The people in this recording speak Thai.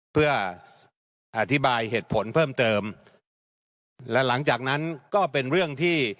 เพื่ออธิบายเหตุผลเพิ่มเติมนะครับและหลังจากนั้นก็เป็นเรื่องที่